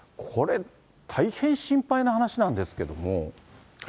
これ、大変心配な話なんですけども。